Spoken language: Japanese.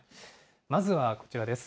まずはこちらです。